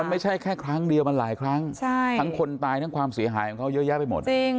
ไม่ใช่แค่ครั้งเดียวมันหลายครั้งทั้งคนตายทั้งความเสียหายของเขาเยอะแยะไปหมด